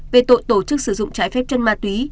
về tội tổ chức sử dụng trái phép chân ma túy